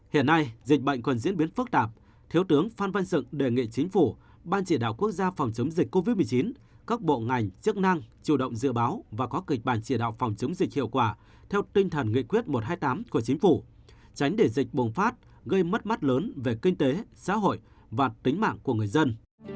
hiện nay dịch bệnh còn diễn biến phức tạp thiếu tướng phan văn dựng đề nghị chính phủ ban chỉ đạo quốc gia phòng chống dịch covid một mươi chín các bộ ngành chức năng chủ động dự báo và có kịch bản chỉ đạo phòng chống dịch hiệu quả theo tinh thần nghị quyết một trăm hai mươi tám của chính phủ tránh để dịch bùng phát gây mất mắt lớn về kinh tế xã hội và tính mạng của người dân